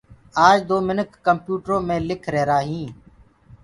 آج دو منک ڪمپيوٽرو مي لک ريهرآئينٚ